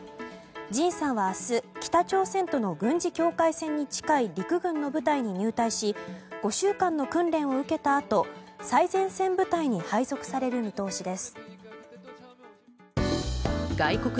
ＪＩＮさんは明日北朝鮮との軍事境界線に近い陸軍の部隊に入隊し５週間の訓練を受けたあと最前線部隊に配属される見通しです。